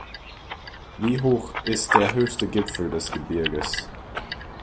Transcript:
Wie hoch ist der höchste Gipfel des Gebirges?